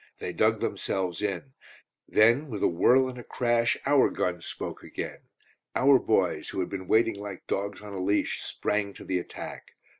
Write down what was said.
They dug themselves in. Then with a whirl and a crash, our guns spoke again. Our boys, who had been waiting like dogs on a leash, sprang to the attack.